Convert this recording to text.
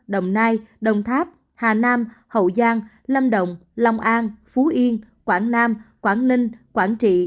đồng nai đồng tháp hà nam hậu giang lâm đồng long an phú yên quảng nam quảng ninh quảng trị